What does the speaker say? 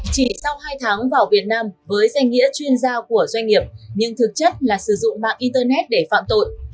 chỉ sau hai tháng vào việt nam với danh nghĩa chuyên gia của doanh nghiệp nhưng thực chất là sử dụng mạng internet để phạm tội